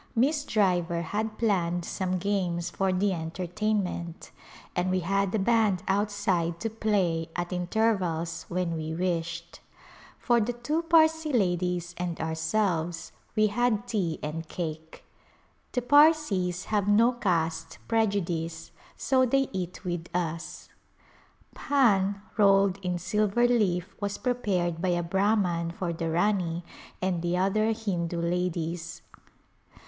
Miss Driver had planned some games for the enter tainment, and we had the band outside to play at in tervals when we wished. For the two Parsee ladies and ourselves we had tea and cake. The Parsees have no caste prejudice so they eat with us. Pan rolled in silver leaf was prepared by a Brahman for the Rani and the other Hindu ladies.